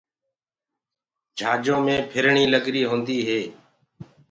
جھآجو مي ڦرڻيٚ لگريٚ هونٚدي هي